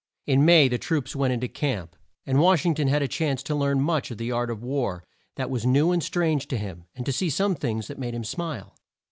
In May the troops went in to camp, and Wash ing ton had a chance to learn much of the art of war that was new and strange to him, and to see some things that made him smile.